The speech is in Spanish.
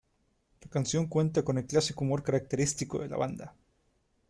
La canción cuenta con el clásico humor característico de la banda.